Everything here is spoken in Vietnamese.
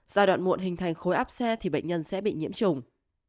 giai đoạn muộn hình thành khối áp xe thì bệnh nhân sẽ bị nhiễm trùng